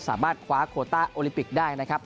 สามารถคว้าโคต้าโอลิมปิกได้นะครับ